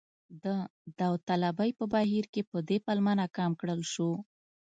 د داوطلبۍ په بهیر کې په دې پلمه ناکام کړل شو.